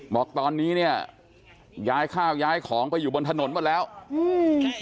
บอกตอนนี้เนี้ยย้ายข้าวย้ายของไปอยู่บนถนนหมดแล้วอืม